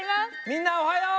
みんなおはよう！